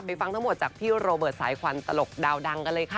ฟังทั้งหมดจากพี่โรเบิร์ตสายควันตลกดาวดังกันเลยค่ะ